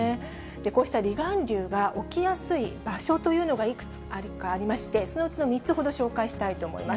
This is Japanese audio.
こうした離岸流が起きやすい場所というのがいくつかありまして、そのうちの３つほど紹介したいと思います。